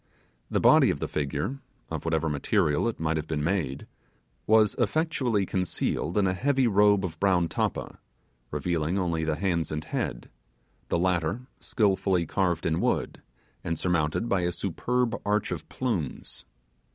The body of the figure of whatever material it might have been made was effectually concealed in a heavy robe of brown tappa, revealing; only the hands and head; the latter skilfully carved in wood, and surmounted by a superb arch of plumes.